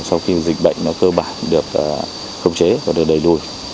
sau khi dịch bệnh cơ bản được khống chế và được đẩy đuôi